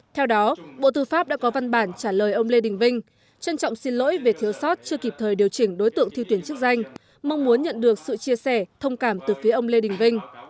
theo đó bộ tư pháp đã có văn bản trả lời ông lê đình vinh trân trọng xin lỗi về thiếu sót chưa kịp thời điều chỉnh đối tượng thi tuyển chức danh mong muốn nhận được sự chia sẻ thông cảm từ phía ông lê đình vinh